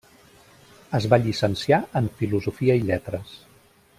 Es va llicenciar en filosofia i lletres.